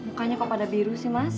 mukanya kok pada biru sih mas